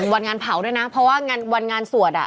วันงานเผาด้วยนะเพราะว่าวันงานสวด